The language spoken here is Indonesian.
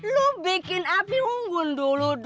lu bikin api unggun dulu